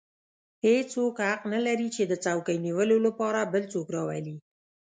هېڅوک حق نه لري چې د څوکۍ نیولو لپاره بل څوک راولي.